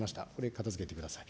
片づけてください。